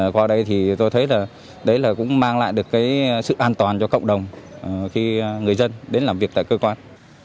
qua đây thì tôi thấy là cũng mang lại được sự an toàn cho cộng đồng khi người dân đến làm việc tại cơ quan